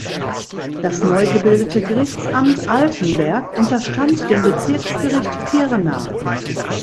Das neu gebildete Gerichtsamt Altenberg unterstand dem Bezirksgericht Pirna.